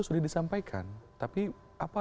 sudah disampaikan tapi apa